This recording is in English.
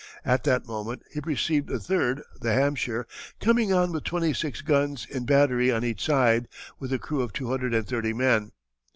At that moment he perceived the third, the Hampshire, coming on with twenty six guns in battery on each side, with a crew of two hundred and thirty men.